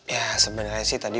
ya sebenernya sih tadi